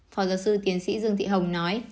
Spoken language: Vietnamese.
phó giáo sư tiến sĩ dương thị hồng nói